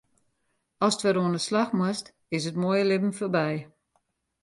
Ast wer oan 'e slach moatst, is it moaie libben foarby.